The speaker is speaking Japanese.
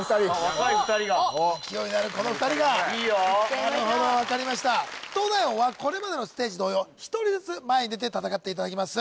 ・若い２人が勢いのあるこの２人が・いってみましょうなるほどわかりました東大王はこれまでのステージ同様１人ずつ前に出て戦っていただきます